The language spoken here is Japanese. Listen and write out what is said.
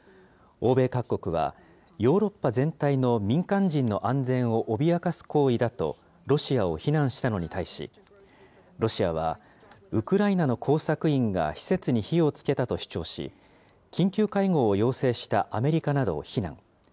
欧米各国は、ヨーロッパ全体の民間人の安全を脅かす行為だとロシアを非難したのに対し、ロシアは、ウクライナの工作員が施設に火をつけたと主張し、緊急会合を要請したアメリカなどを非難。